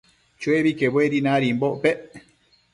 Chuebi quebuedi nadimbocpec